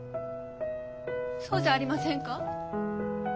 そうじゃありませんか？